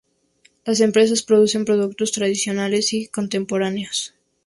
Las empresas producen productos tradicionales y contemporáneos.